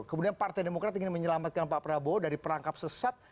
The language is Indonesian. kemudian partai demokrat ingin menyelamatkan pak prabowo dari perangkap sesat